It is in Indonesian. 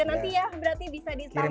nanti ya berarti bisa ditanggung ke mas rian